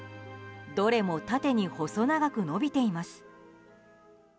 どれも縦に細長く伸びています。